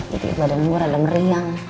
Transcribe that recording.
jadi badan gua agak meriang